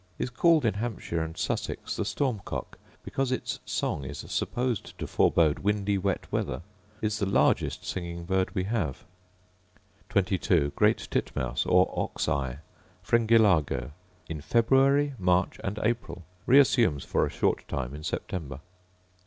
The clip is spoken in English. Is called in Hampshire and Sussex the storm cock, because its song is supposed to forebode windy wet weather: is the largest singing bird we have. 22. Great tit mouse, or ox eye, Fringillago: In February, March, April: reassumes for a short time in September.